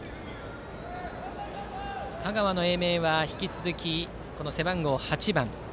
香川の英明は引き続き背番号８番